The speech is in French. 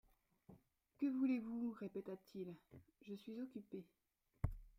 Que voulez vous ? répéta-t-il ; je suis occupé.